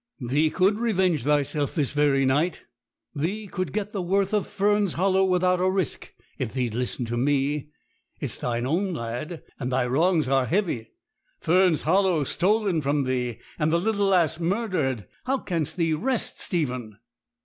'Thee could revenge thyself this very night. Thee could get the worth of Fern's Hollow without a risk, if thee'd listen to me. It's thy own, lad, and thy wrongs are heavy Fern's Hollow stolen from thee, and the little lass murdered! How canst thee rest, Stephen?'